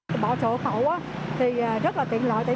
các bộ trưởng tiên cảm thấy